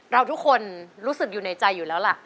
เราทุกคนรู้สึกอยู่ในใจอยู่แล้วล่ะ